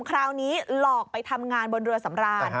คราวนี้หลอกไปทำงานบนเรือสำราญ